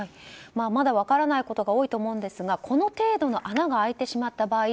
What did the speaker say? まだ分からないことが多いと思いますがこの程度の穴が開いてしまった場合